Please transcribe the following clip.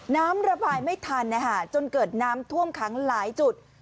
น้ำระบายไม่ทันจนเกิดน้ำท่วมขังหลายจุด